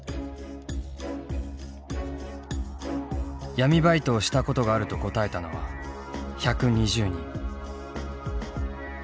闇バイトをしたことがあると答えたのは１２０人。